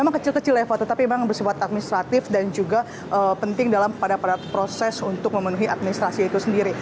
memang kecil kecil eva tetapi memang bersifat administratif dan juga penting dalam pada proses untuk memenuhi administrasi itu sendiri